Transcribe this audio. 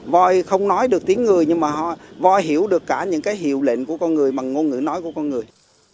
voi không nói được tiếng người nhưng mà họ voi hiểu được cả những cái hiệu lệnh của con người bằng ngôn ngữ nói của con người